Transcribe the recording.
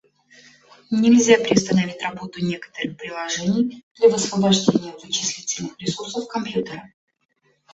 Нельзя приостановить работу некоторых приложений для высвобождения вычислительных ресурсов компьютера